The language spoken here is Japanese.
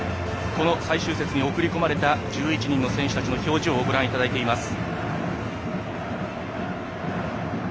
この最終節に送り込まれた１１人の選手たちの表情をご覧いただいています。